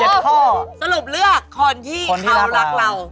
เออสรุปเลือกคนที่เขารักเรา๗ข้อ